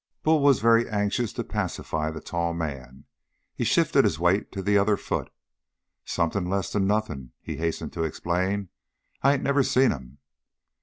Bull was very anxious to pacify the tall man. He shifted his weight to the other foot. "Something less'n nothing," he hastened to explain. "I ain't never seen him."